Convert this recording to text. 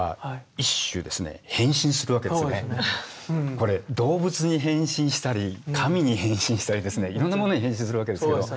これ動物に変身したり神に変身したりですねいろんなものに変身するわけですよ。